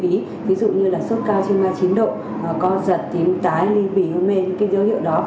ví dụ như là sốt cao trên ba mươi chín độ có giật tím tái ly bỉ hôn mê những cái dấu hiệu đó